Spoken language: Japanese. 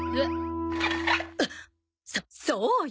そそうよ！